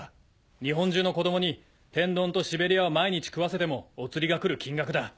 日本中の子供に天丼とシベリヤを毎日食わせてもお釣りが来る金額だ。